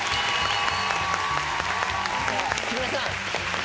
木村さん。